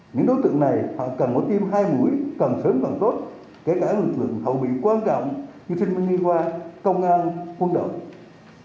những đối tượng này họ cần có tim hai mũi càng sớm càng tốt kể cả lực lượng hậu bị quan trọng như sinh viên nghi hoa công an quân đội